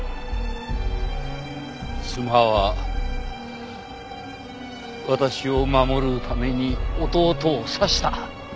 妻は私を守るために弟を刺した。